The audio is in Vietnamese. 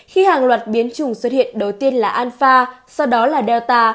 khi hàng loạt biến chủng xuất hiện đầu tiên là alpha sau đó là delta